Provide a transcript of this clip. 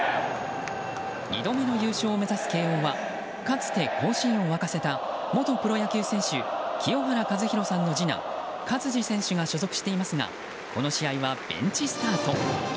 ２度目の優勝を目指す慶應はかつて甲子園を沸かせた元プロ野球選手、清原和博さんの次男・勝児選手が所属していますがこの試合はベンチスタート。